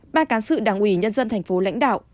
ban cán sự đảng ủy nhân dân thành phố lãnh đạo